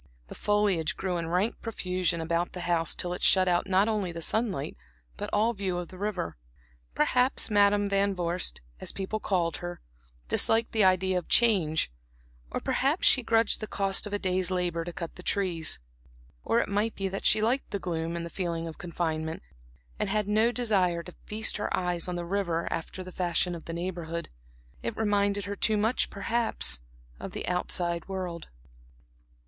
The foliage grew in rank profusion about the house till it shut out not only the sunlight, but all view of the river. Perhaps Madam Van Vorst, as people called her, disliked the idea of change; or perhaps she grudged the cost of a day's labor to cut the trees; or it might be that she liked the gloom and the feeling of confinement, and had no desire to feast her eyes on the river, after the fashion of the Neighborhood. It reminded her too much, perhaps, of the outside world.